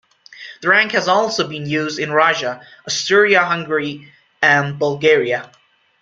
The rank has also been used in Russia, Austria-Hungary, and Bulgaria.